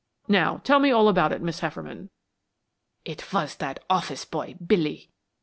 "Now tell me all about it, Miss Hefferman." "It was that office boy, Billy," she began.